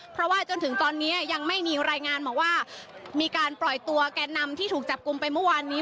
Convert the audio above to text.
เพราะว่าจนถึงตอนนี้ยังไม่มีรายงานมาว่ามีการปล่อยตัวแกนนำที่ถูกจับกลุ่มไปเมื่อวานนี้